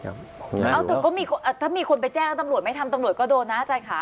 เอาแต่ก็มีถ้ามีคนไปแจ้งแล้วตำรวจไม่ทำตำรวจก็โดนนะอาจารย์ค่ะ